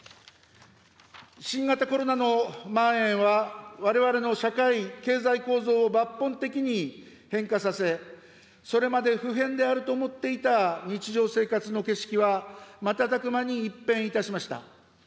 新型コロナのまん延は、われわれの社会・経済構造を抜本的に変化させ、それまで普遍であると思っていた日常生活の景色は、瞬く間に一変いたしました。